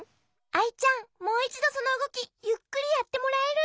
アイちゃんもういちどそのうごきゆっくりやってもらえる？